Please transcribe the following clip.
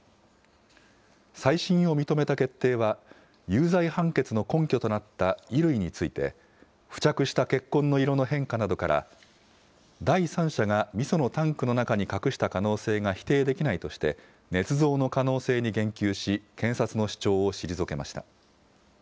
再審を認めた決定は、有罪判決の根拠となった衣類について、付着した血痕の色の変化などから、第三者がみそのタンクの中に隠した可能性が否定できないとして、ねつ造の可能性に言及し、検察の主張を退けました。